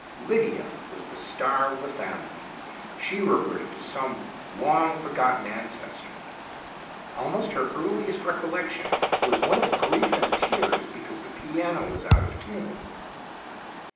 Lydia was the star of the family. She reverted to some long forgotten ancestor. Almost her earliest recollection was one of grief and tears because the piano was out of tune.